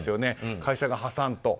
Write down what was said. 会社が破産と。